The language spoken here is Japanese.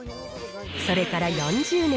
それから４０年。